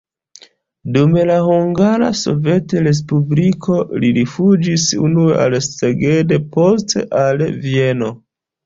Dum la Hungara Sovetrespubliko li rifuĝis unue al Szeged, poste al Vieno.